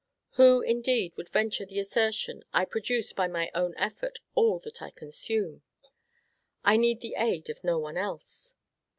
Who, indeed, would venture the assertion, "I produce, by my own effort, all that I consume; I need the aid of no one else"?